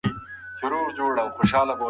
آس په پوره بریالیتوب سره د کوهي غاړې ته ورسېد.